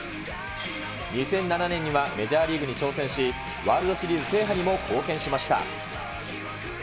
２００７年には、メジャーリーグに挑戦し、ワールドシリーズ制覇にも貢献しました。